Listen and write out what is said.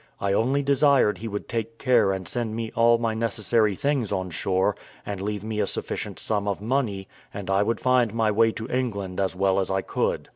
I only desired he would take care and send me all my necessary things on shore, and leave me a sufficient sum of money, and I would find my way to England as well as I could.